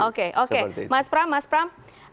oke oke mas pram mas pram